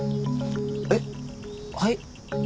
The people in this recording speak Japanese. えっはい？